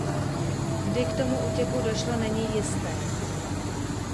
Kdy k tomuto útěku došlo není jisté.